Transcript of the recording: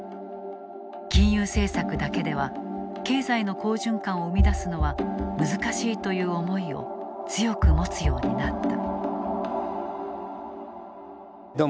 金融政策だけでは経済の好循環を生み出すのは難しいという思いを強く持つようになった。